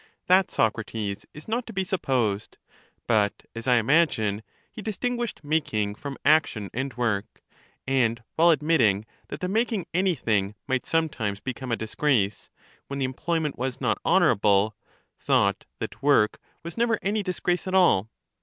That, Socrates, is not to be supposed: but, as I imagine, he distinguished making from action and work; and, while admitting that the making any thing might sometimes become a disgrace, when the employment was not honorable, thought that work was never any disgrace at all.